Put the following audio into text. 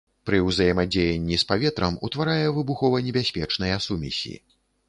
Пры ўзаемадзеянні з паветрам утварае выбухованебяспечныя сумесі.